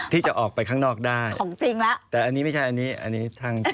ที่จะออกไปข้างนอกได้แต่อันนี้ไม่ใช่อันนี้